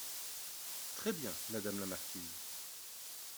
Très bien, madame la marquise.